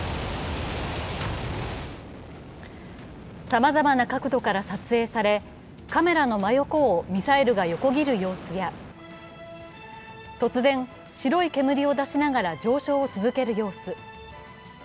さまざまな角度から撮影されカメラの真横をミサイルが横切る様子や突然、白い煙を出しながら上昇を続ける様子。